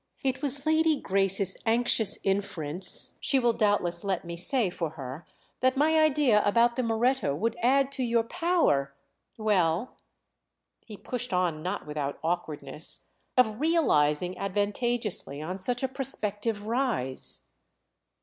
"It was Lady Grace's anxious inference, she will doubtless let me say for her, that my idea about the Moretto would add to your power—well," he pushed on not without awkwardness, "of 'realising' advantageously on such a prospective rise."